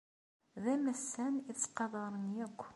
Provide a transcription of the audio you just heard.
D amassan i ttqadaren akk.